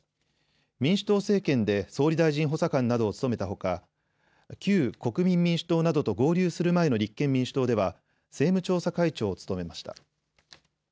民主党政権で総理大臣補佐官などを務めたほか旧国民民主党などと合流する前の立憲民主党では政務調査会長を務めました。